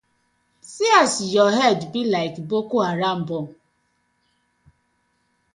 See as yu head big like Boko Haram bomb.